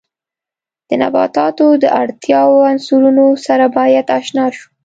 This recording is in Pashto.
د نباتاتو د اړتیاوو عنصرونو سره باید آشنا شو.